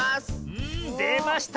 うんでました！